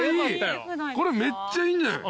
これめっちゃいいんじゃない？